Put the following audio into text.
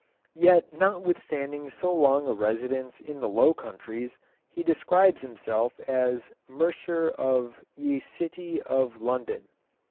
Yet notwithstanding so long a residence in the Low Countries, he describes himself as "mercer of ye cyte of London."